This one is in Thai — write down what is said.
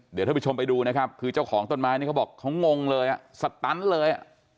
เดี๋ยวท่านผู้ชมไปดูนะครับคือเจ้าของต้นไม้นี่เขาบอกเขางงเลยอ่ะสตันเลย